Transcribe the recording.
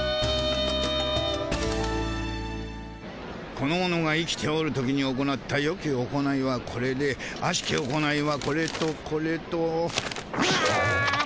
この者が生きておる時に行ったよき行いはこれであしき行いはこれとこれとあもうイヤじゃ。